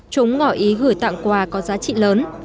chúng ngỏ ý gửi tặng quà có giá trị lớn